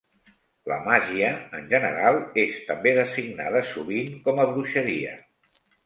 La màgia, en general, és també designada sovint com a bruixeria.